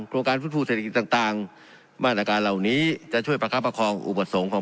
โครงการฟูฟูเศรษฐกิจต่างต่างมาตรการเหล่านี้จะช่วยประกับประคองอุบัติสงค์ของ